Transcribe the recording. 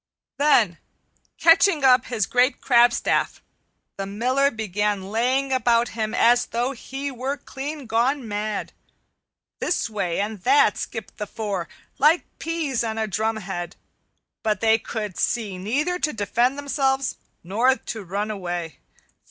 Then catching up his great crabstaff, the Miller began laying about him as though he were clean gone mad. This way and that skipped the four, like peas on a drumhead, but they could see neither to defend themselves nor to run away.